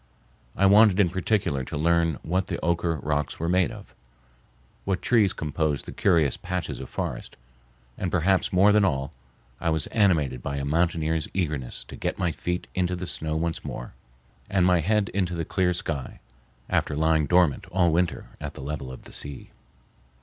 I wanted in particular to learn what the Oquirrh rocks were made of, what trees composed the curious patches of forest; and, perhaps more than all, I was animated by a mountaineer's eagerness to get my feet into the snow once more, and my head into the clear sky, after lying dormant all winter at the level of the sea.